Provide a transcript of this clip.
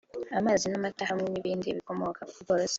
amazi n’amata hamwe n’ibindi bikomoka ku bworozi